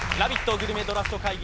グルメドラフト会議！」